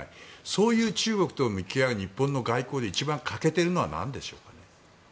そういう中国と向き合う日本の外交で一番欠けてるのは何でしょうか。